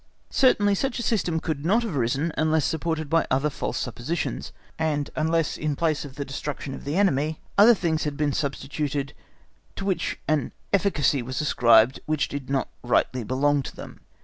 Certainly such a system could not have arisen unless supported by other false suppositions, and unless in place of the destruction of the enemy, other things had been substituted to which an efficacy was ascribed which did not rightly belong to them.